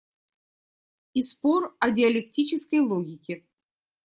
И спор о диалектической логике.